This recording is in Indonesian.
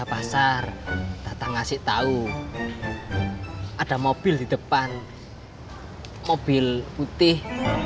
pasar datang ngasih tahu ada mobil di depan mobil putih